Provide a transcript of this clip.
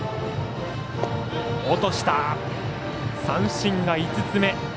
三振が５つ目。